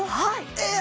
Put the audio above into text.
えっ！